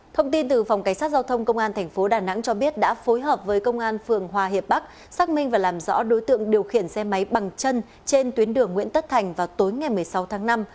thông tin từ phòng cảnh sát giao thông công an tp đà nẵng cho biết đã phối hợp với công an phường hòa hiệp bắc xác minh và làm rõ đối tượng điều khiển xe máy bằng chân trên tuyến đường nguyễn tất thành vào tối ngày một mươi sáu tháng năm